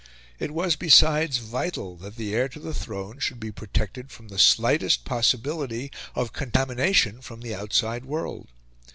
It was, besides, vital that the heir to the throne should be protected from the slightest possibility of contamination from the outside world.